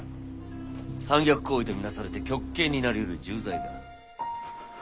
反逆行為と見なされて極刑になりうる重罪だ。